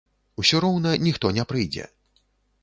Усё роўна ніхто не прыйдзе.